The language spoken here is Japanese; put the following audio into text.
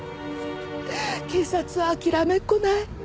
警察は諦めっこない。